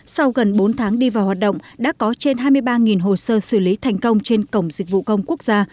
sau gần bốn tháng đi vào hoạt động đã có trên hai mươi ba hồ sơ xử lý thành công trên cổng dịch vụ công quốc gia